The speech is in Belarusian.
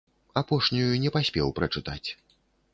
Апошнюю не паспеў прачытаць.